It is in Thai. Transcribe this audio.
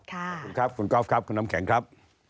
ขอบคุณครับคุณกอล์ฟครับคุณน้ำแข็งครับ